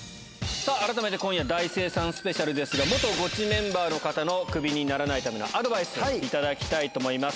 さあ、改めて今夜大精算スペシャルですが、元ゴチメンバーの方のクビにならないためのアドバイス頂きたいと思います。